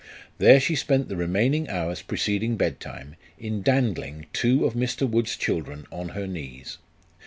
There she spent the remaining hours preceding bed time, in dandling two of Mr. Wood's children on her knees.